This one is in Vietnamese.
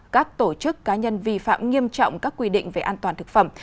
các tổ chức cá nhân vi phạm nghiêm trọng các quy định về an toàn thực phẩm